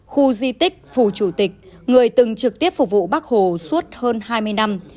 khu di tích phủ chủ tịch người từng trực tiếp phục vụ bắc hồ suốt hơn hai mươi năm